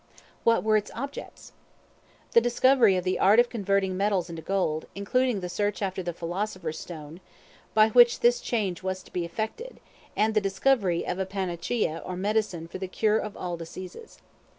What were its objects? The discovery of the art of converting metals into gold, including the search after the "Philosopher's Stone," by which this change was to be effected; and the discovery of a panacea or medicine for the cure of all diseases.